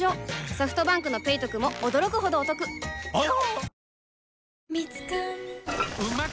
ソフトバンクの「ペイトク」も驚くほどおトクわぁ！